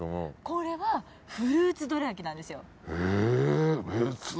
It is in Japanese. これはフルーツどら焼きなんですよ。